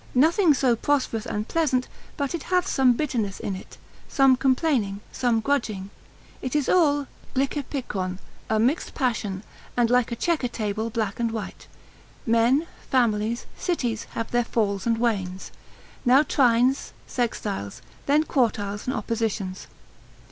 Nothing so prosperous and pleasant, but it hath some bitterness in it, some complaining, some grudging; it is all γλυκύπικρον, a mixed passion, and like a chequer table black and white: men, families, cities, have their falls and wanes; now trines, sextiles, then quartiles and oppositions.